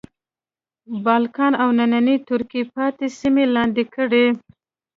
بالکان او نننۍ ترکیې پاتې سیمې لاندې کړې.